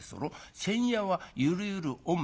先夜はゆるゆるおん